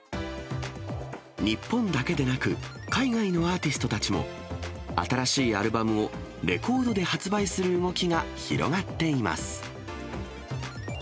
日本だけでなく、海外のアーティストたちも、新しいアルバムをレコードで発売する動きが広がっています。